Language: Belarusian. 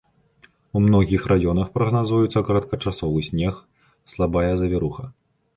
У многіх раёнах прагназуецца кароткачасовы снег, слабая завіруха.